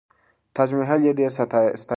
تاج محل یې ډېر ستایلی.